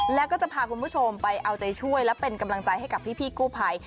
แล้วก็จะพาคุณผู้ชมไปเอาใจช่วยและเป็นกำลังใจให้กับพี่กู้ภัย